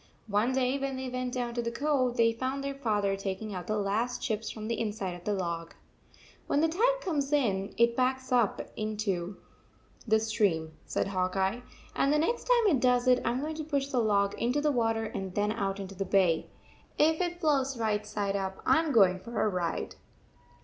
One day when they went down to the cove, they found their father taking out the last chips from the inside of the log. 44 When the tide comes in, it backs up into 142 the stream," said Hawk Eye, "and the next time it does it, I m going to push the log into the water and then out into the bay. If it floats right side up, I am going for a ride."